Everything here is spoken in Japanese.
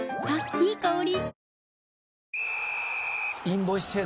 いい香り。